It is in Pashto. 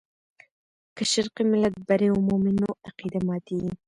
که شرقي ملت بری ومومي، نو عقیده ماتېږي.